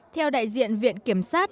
theo đại diện viện kiểm sát